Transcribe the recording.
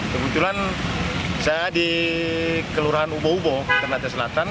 kebetulan saya di kelurahan ubo ubo ternate selatan